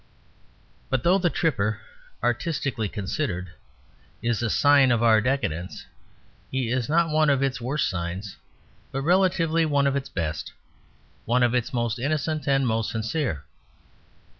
But though the tripper, artistically considered, is a sign of our decadence, he is not one of its worst signs, but relatively one of its best; one of its most innocent and most sincere.